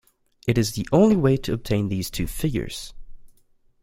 It is the only way to obtain these two figures.